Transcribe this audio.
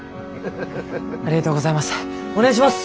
ありがとうございます。